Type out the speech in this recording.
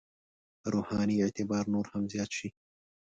روحاني اعتبار نور هم زیات شي.